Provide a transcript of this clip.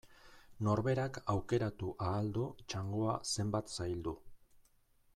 Norberak aukeratu ahal du txangoa zenbat zaildu.